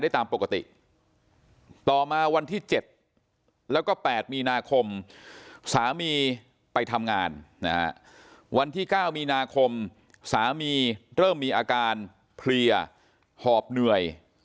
ต่อมาวันที่๗แล้วก็๘มีนาคมสามีไปทำงานนะฮะวันที่๙มีนาคมสามีเริ่มมีอาการเพลียหอบเหนื่อย